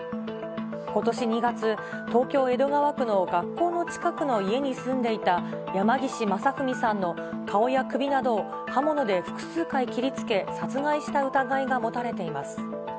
ことし２月、東京・江戸川区の学校の近くの家に住んでいた山岸正文さんの顔や首などを刃物で複数回切りつけ、殺害した疑いが持たれています。